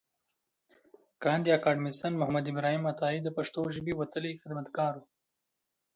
کاندي اکاډميسنمحمد ابراهیم عطایي د پښتو ژبې وتلی خدمتګار و.